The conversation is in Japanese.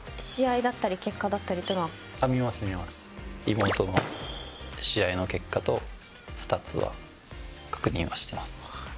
妹の試合の結果とスタッツは確認はしてます。